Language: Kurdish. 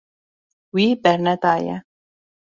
Wî bernedaye.